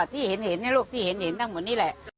ที่เห็นในโลกที่เห็นทั้งหมดนี้แหละ